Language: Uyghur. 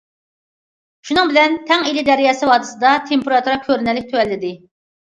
شۇنىڭ بىلەن تەڭ ئىلى دەريا ۋادىسىدا تېمپېراتۇرا كۆرۈنەرلىك تۆۋەنلىدى.